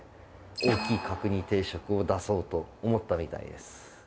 大きい角煮定食を出そうと思ったみたいです。